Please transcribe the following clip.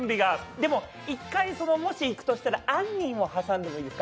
でも、１回、もし行くとしたらあんにん豆腐を挟んでいいですか？